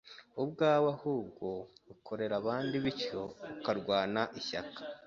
ubwawe ahubwo ukorera abandi bityo ukarwana ishyaka